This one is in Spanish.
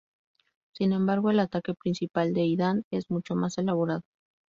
Sin embargo, el ataque principal de Hidan es mucho más elaborado.